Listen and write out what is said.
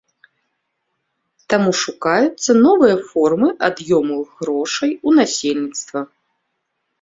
Таму шукаюцца новыя формы ад'ёму грошай у насельніцтва.